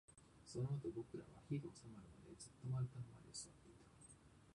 そのあと、僕らは火が収まるまで、ずっと丸太の前で座っていた